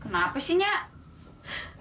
kenapa sih nyak